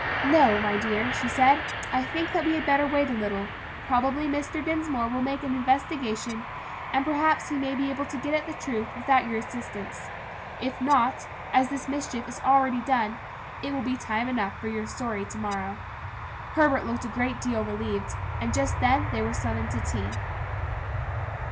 "No, my dear," she said; "I think we had better wait a little. Probably Mr. Dinsmore will make an investigation, and perhaps he may be able to get at the truth without your assistance; and if not, as the mischief is already done, it will be time enough for your story to morrow." Herbert looked a good deal relieved, and just then they were summoned to tea.